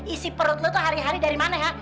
isi perut lo tuh hari hari dari mana ya